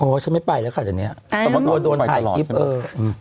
โอ้วฉันไม่ไปละคะเดี๋ยวนี้